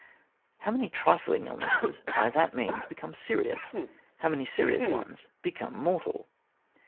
How many trifling illnesses by that means become serious, how many serious ones become mortal.